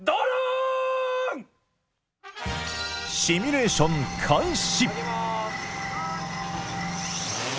シミュレーション開始！